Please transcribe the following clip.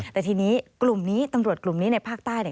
แต่ทีนี้กลุ่มนี้ตำรวจกลุ่มนี้ในภาคใต้เนี่ย